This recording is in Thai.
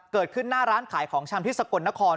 เกิดขึ้นหน้าร้านขายของชำพิษกลนคร